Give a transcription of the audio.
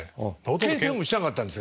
けん制もしなかったんですか？